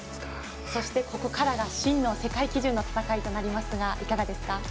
そして、ここからが真の世界基準の戦いとなりますがいかがですか？